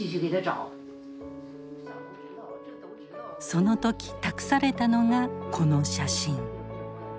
その時託されたのがこの写真。